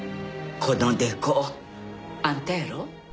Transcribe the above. このでこあんたやろ？